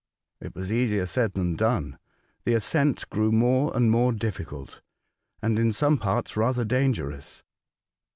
It was easier said than done. The ascent grew more and more dijfficult, and in some parts rather dangerous.